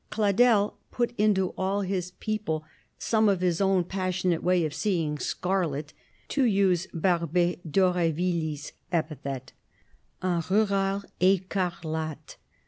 Cladel put into all his people some of his own passionate way of seeing 'scarlet,' to use Barbey d'Aurevilly's epithet: un rural écarlate.